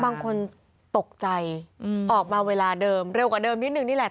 บางคนตกใจออกมาเวลาเดิมเร็วกว่าเดิมนิดนึงนี่แหละ